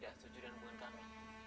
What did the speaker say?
apa sudah ketemu